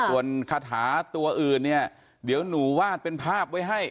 ส่วนคาถาตัวอื่นเนี่ยเดี๋ยวหนูวาดเป็นภาพไว้ให้